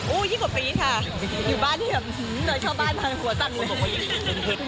อุ้ยยิ่งกว่าปีค่ะอยู่บ้านที่แบบหน่อยชอบบ้านมาหัวสั่งเลย